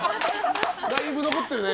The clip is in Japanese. だいぶ残ってるね。